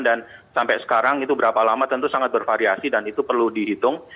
dan sampai sekarang itu berapa lama tentu sangat bervariasi dan itu perlu dihitung